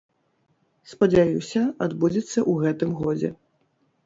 Спадзяюся, адбудзецца ў гэтым годзе.